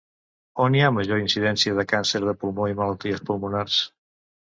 On hi ha major incidència de càncer de pulmó i malalties pulmonars?